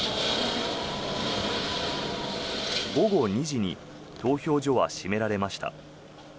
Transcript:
午後２時に投票所は閉められました。